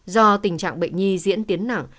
do tình trạng bệnh nhi diễn tiến nản